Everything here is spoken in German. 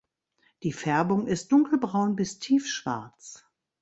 Die Färbung ist dunkelbraun bis tiefschwarz.